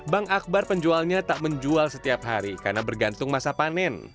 bang akbar penjualnya tak menjual setiap hari karena bergantung masa panen